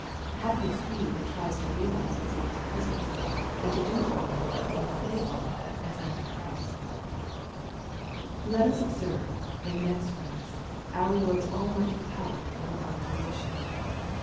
Happy is he that tries to realize his Lord's presence, and to do all and say all as uato Christ. 216 EXFOSITOBT THOUGHTS. Let US observe, in the next place, our i/oroT^ cUmigkiy power over all creation.